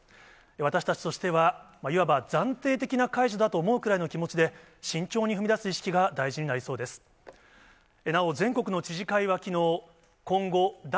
私たちとしては、いわば暫定的な解除だと思うくらいの気持ちで、慎重に踏み出す意識が大事になりそうです。